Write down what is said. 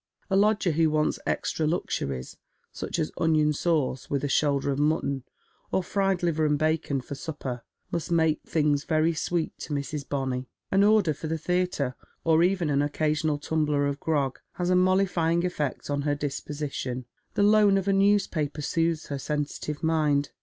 A lodger who wants extra luxuries, such as onion sauce with a shoulder of mutton, or fried liver and bacon for supper, must make things very sweet to Mrs. Bonny. An order for the theatre, or even an occasional tumbler of gi'og has a mollifying effect on her disposi tion ; the loan of a newspaper soothes her sensitive mind.